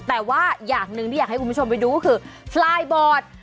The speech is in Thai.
แต่ว่าอย่างหนึ่งที่อยากให้คุณผู้ชมไปดูก็คือฟลายบอร์ด